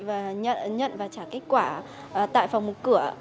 và nhận và trả kết quả tại phòng một cửa